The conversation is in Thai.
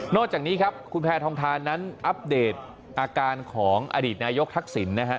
จากนี้ครับคุณแพทองทานนั้นอัปเดตอาการของอดีตนายกทักษิณนะฮะ